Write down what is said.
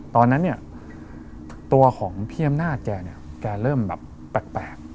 ตอนนั้นตัวของพี่ยามนาฏแกแกเริ่มแบบแปลก